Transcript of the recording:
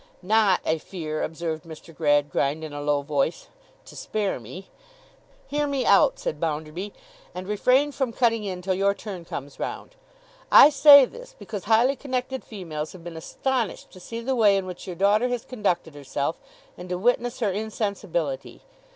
'Not, I fear,' observed Mr. Gradgrind, in a low voice, 'to spare me.' 'Hear me out,' said Bounderby, 'and refrain from cutting in till your turn comes round. I say this, because highly connected females have been astonished to see the way in which your daughter has conducted herself, and to witness her insensibility.